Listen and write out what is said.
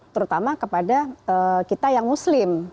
terus itu juga sama kepada kita yang muslim